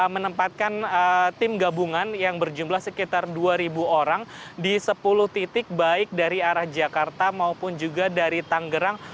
menempatkan tim gabungan yang berjumlah sekitar dua orang di sepuluh titik baik dari arah jakarta maupun juga dari tanggerang